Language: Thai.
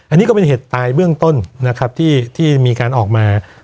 อันนี้ก็เป็นเหตุตายเบื้องต้นนะครับที่มีการออกมา